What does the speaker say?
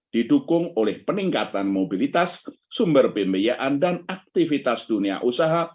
didukung oleh peningkatan mobilitas sumber pembiayaan dan aktivitas dunia usaha